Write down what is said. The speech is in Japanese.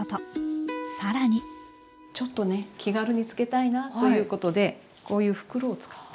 更にちょっとね気軽に漬けたいなということでこういう袋を使って。